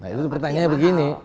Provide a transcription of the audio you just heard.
nah itu pertanyaannya begini